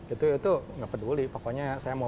itu gak peduli pokoknya saya mau